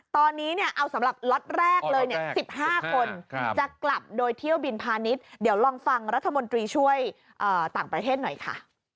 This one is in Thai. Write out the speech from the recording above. ตอนนี้เอาสำหรับล็อตแรกเลย๑๕คนจะกลับโดยเที่ยวบินพาณิชย์เดี๋ยวลองฟังรัฐมนตรีช่วยต่างประเทศหน่อยค่ะ